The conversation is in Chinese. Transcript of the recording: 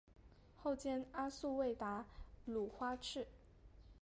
后兼阿速卫达鲁花赤。